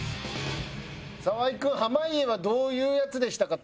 澤井君濱家はどういうヤツでしたか？